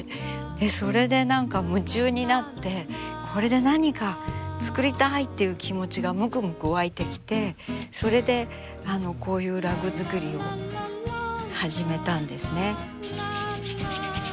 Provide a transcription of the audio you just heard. それで何か夢中になってこれで何か作りたいっていう気持ちがむくむく湧いてきてそれでこういうラグ作りを始めたんですね。